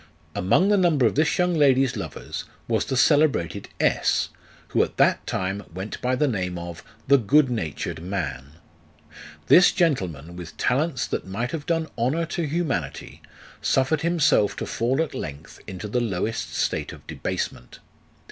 Among the number of this young lady's lovers was the celebrated S , who, at that time, went by the name of "the good natured man." 1 This gentleman, with talents that might have done honour to humanity, suffered himself to fall at length into the lowest state of debasement.